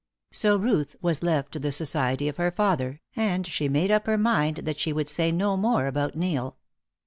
So Ruth was left to the society of her father, and she made up her mind that she would say no more about Neil.